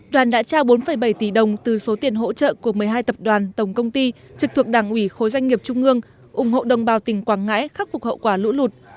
đoàn đã trao bốn bảy tỷ đồng từ số tiền hỗ trợ của một mươi hai tập đoàn tổng công ty trực thuộc đảng ủy khối doanh nghiệp trung ương ủng hộ đồng bào tỉnh quảng ngãi khắc phục hậu quả lũ lụt